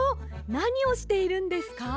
なにをしているんですか？